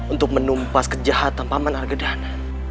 untuk menumpas kejahatan paman argedahan